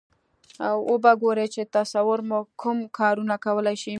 و به ګورئ چې تصور مو کوم کارونه کولای شي.